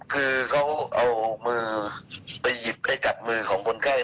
คือเขาเอามือไปหยิบไอ้กัดมือของคนไข้